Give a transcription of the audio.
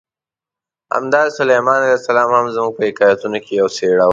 همداسې سلیمان علیه السلام هم زموږ په حکایتونو کې یوه څېره ده.